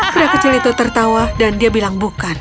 pria kecil itu tertawa dan dia bilang bukan